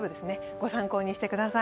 ご参考にしてください。